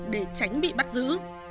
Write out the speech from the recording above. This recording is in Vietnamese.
để tránh bị bắt giữ